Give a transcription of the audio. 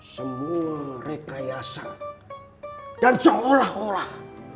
semua rekayasa dan seolah olah